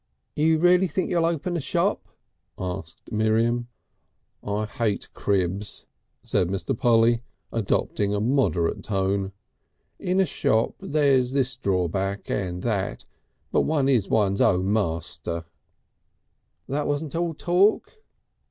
"You really think you'll open a shop?" asked Miriam. "I hate cribs," said Mr. Polly, adopting a moderate tone. "In a shop there's this drawback and that, but one is one's own master." "That wasn't all talk?"